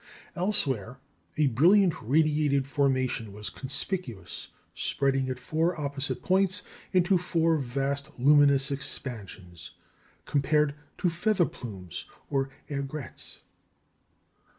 Elsewhere, a brilliant radiated formation was conspicuous, spreading at four opposite points into four vast luminous expansions, compared to feather plumes or aigrettes.